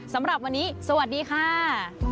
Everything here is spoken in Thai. สำหรับวันนี้สวัสดีค่ะ